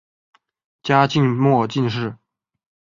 嘉靖末进士。